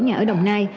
nhà ở đồng nai